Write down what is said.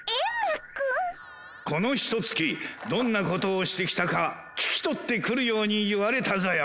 このひとつきどんなことをしてきたか聞き取ってくるように言われたぞよ。